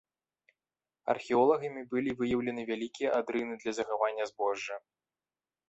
Археолагамі былі выяўлены вялікія адрыны для захавання збожжа.